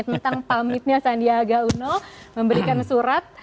tentang pamitnya sandiaga uno memberikan surat